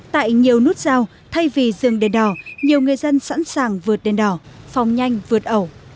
tại nhiều nút giao thay vì dừng đèn đỏ nhiều người dân sẵn sàng vượt đèn đỏ phòng nhanh vượt ẩu